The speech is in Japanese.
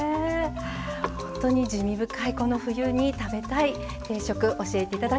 本当に滋味深いこの冬に食べたい定食教えて頂きました。